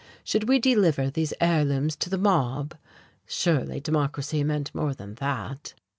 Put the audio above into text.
Should we deliver these heirlooms to the mob? Surely Democracy meant more than that!